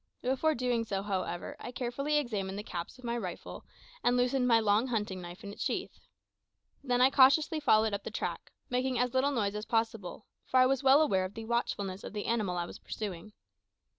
Before doing so, however, I carefully examined the caps of my rifle and loosened my long hunting knife in its sheath. Then I cautiously followed up the track, making as little noise as possible, for I was well aware of the watchfulness of the animal I was pursuing.